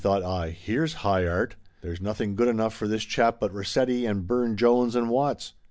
thought I, here's 'High Art.' There's nothing good enough for this chap but Rossetti and Burne Jones and Watts.